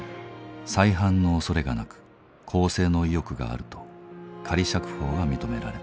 再犯のおそれがなく更生の意欲があると仮釈放が認められた。